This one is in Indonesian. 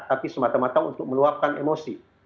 tapi semata mata untuk meluapkan emosi